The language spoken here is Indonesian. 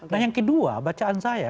nah yang kedua bacaan saya